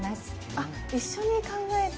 あ一緒に考えて。